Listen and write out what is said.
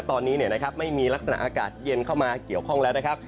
ตอนนี้ไม่มีลักษณะอากาศเย็นเข้ามาเกี่ยวข้องแล้วนะครับ